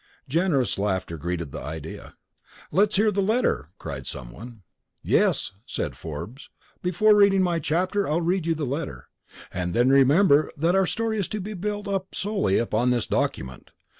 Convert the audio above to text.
Generous laughter greeted the idea. "Let's hear the letter!" cried someone. "Yes," said Forbes, "before reading my chapter I'll read you the letter. And then remember that our story is to be built up solely upon this document.